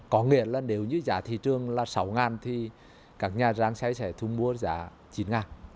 có nghĩa là nếu giá thị trường là sáu thì các nhà rang xay sẽ thu mua giá chín